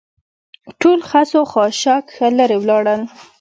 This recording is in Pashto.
ټول خس او خاشاک ښه لرې ولاړل.